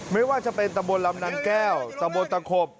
ไม่ว่าจะเป็นตำบลลำนางแก้วตะบนตะขบ